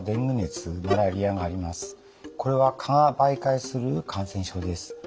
これは蚊が媒介する感染症です。